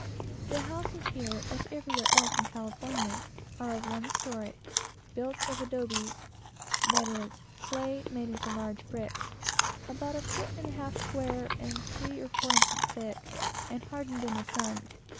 The houses here, as everywhere else in California, are of one story, built of clay made into large bricks, about a foot and a half square and three or four inches thick, and hardened in the sun.